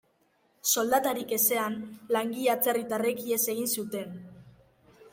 Soldatarik ezean, langile atzerritarrek ihes egin zuten.